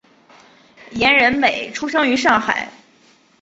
严仁美出生于上海。